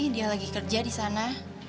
dia lagi kerja di sana